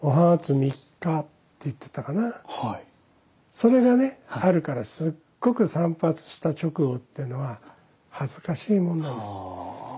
それがねあるからすごく散髪した直後っていうのは恥ずかしいものなのです。